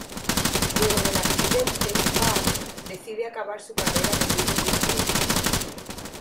Luego del accidente, Bart decide acabar su carrera de niño milagroso.